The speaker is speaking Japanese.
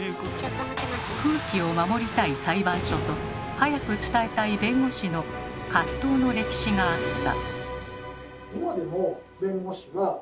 風紀を守りたい裁判所と早く伝えたい弁護士の葛藤の歴史があった。